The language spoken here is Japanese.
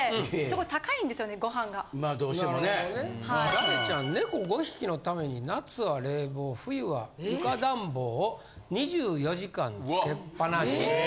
ダレちゃん猫５匹のために夏は冷房冬は床暖房を２４時間つけっぱなし。・エーッ！